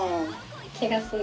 気がする。